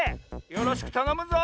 よろしくたのむぞ！